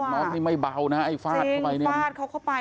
หมดกันน๊อคนี่ไม่เบานะก็ฟาดเข้าไปเนี่ยมันต้องจริงฟาดเขาเข้าไป